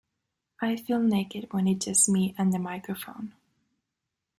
I feel naked when it's just me and the microphone.